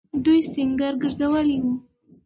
دوی سنګر گرځولی وو.